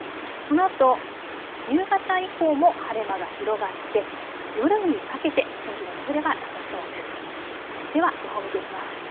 このあと夕方以降も晴れ間が広がって夜にかけて天気の崩れはなさそうです。